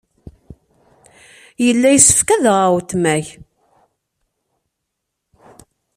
Yella yessefk ad aɣeɣ weltma-k.